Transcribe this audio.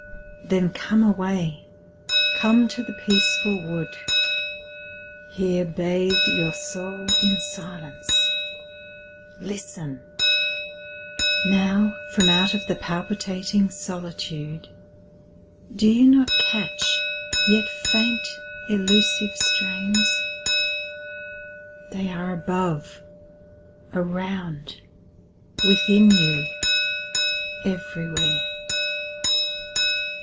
Then come away, come to the peaceful wood, Here bathe your soul in silence. Listen! Now, From out the palpitating solitude Do you not catch, yet faint, elusive strains? They are above, around, within you, everywhere.